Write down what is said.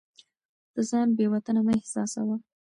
ته ځان بې وطنه مه احساسوه.